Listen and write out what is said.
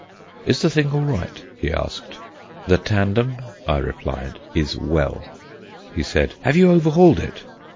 "Is the thing all right?" he asked. "The tandem," I replied, "is well." He said: "Have you overhauled it?"